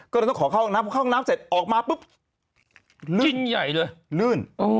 ก็เลยต้องขอเข้าห้องน้ำพอเข้าห้องน้ำเสร็จออกมาปุ๊บลื่นใหญ่เลยลื่น